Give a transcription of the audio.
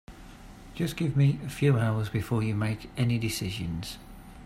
Just give me a few hours before you make any decisions.